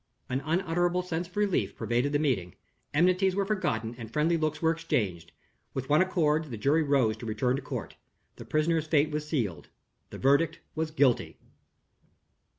An unutterable sense of relief pervaded the meeting. Enmities were forgotten and friendly looks were exchanged. With one accord, the jury rose to return to court. The prisoner's fate was sealed. The verdict was Guilty.